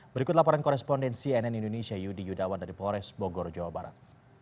berikut laporan korespondensi nn indonesia yudi yudawan dari polres bogor jawa barat